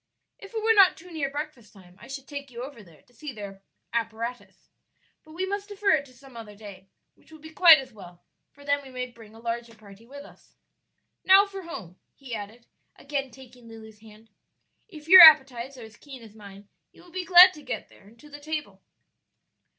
If it were not too near breakfast time I should take you over there to see their apparatus; but we must defer it to some other day, which will be quite as well, for then we may bring a larger party with us. Now for home," he added, again taking Lulu's hand; "if your appetites are as keen as mine you will be glad to get there and to the table."